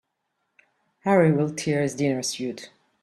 Harry'll tear his dinner suit.